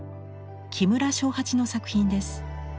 木村荘八の作品です。